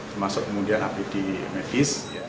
termasuk kemudian habis di medis